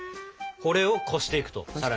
これをこしていくとさらに。